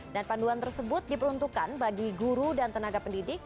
dan panduan tersebut diperuntukkan bagi guru dan tenaga pendidik